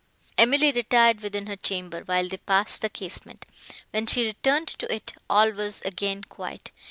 Emily retired within her chamber, while they passed the casement. When she returned to it, all was again quiet.